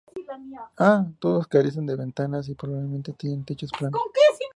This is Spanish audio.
Todos carecen de ventanas y probablemente tenían techos planos.